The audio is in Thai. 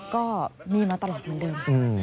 ก็มีมาตลอดเหมือนเดิม